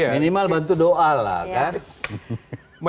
minimal bantu doa lah kan